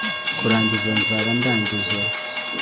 kurangiza nzaba ndangije